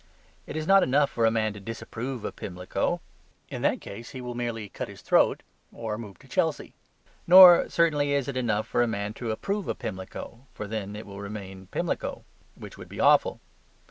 It is not enough for a man to disapprove of Pimlico: in that case he will merely cut his throat or move to Chelsea. Nor, certainly, is it enough for a man to approve of Pimlico: for then it will remain Pimlico, which would be awful.